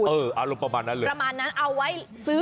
เออรูปประมาณนั้นเลย